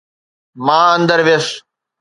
مان اندر ويس.